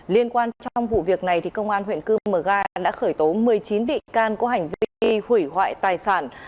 liên quan trong vụ việc này công an huyện cư mờ ga đã khởi tố một mươi chín bị can có hành vi hủy hoại tài sản